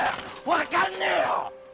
分かんねえよ！